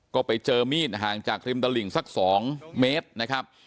ก็ไปเจอมีดห่างจากริมตลิ่งสัก๒เมตรนะครับ